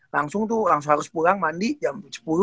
langsung tuh langsung harus pulang mandi jam sepuluh